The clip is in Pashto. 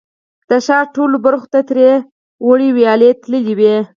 د ښار ټولو برخو ته ترې وړې ویالې تللې وې.